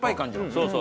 そうそう。